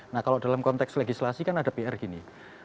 nah kalau dalam konteks legislasi kan ada pr gini